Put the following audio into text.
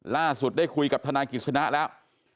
ล่าสุดได้คุยกับทนายกิจสนะแล้ว